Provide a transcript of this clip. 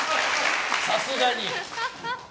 さすがに。